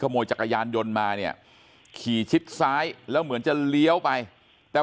ขโมยจักรยานยนต์มาเนี่ยขี่ชิดซ้ายแล้วเหมือนจะเลี้ยวไปแต่